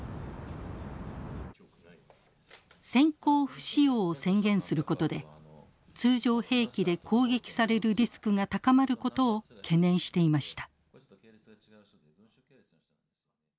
先行不使用を宣言することで通常兵器で攻撃されるリスクが高まることを懸念していました。